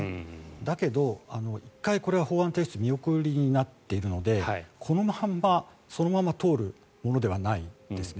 だけど、１回これは法案提出見送りになっているのでこのまま、そのまま通るものではないですね。